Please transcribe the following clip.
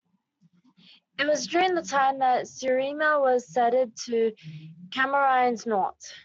It was during this time that Siruma was ceded to Camarines Norte.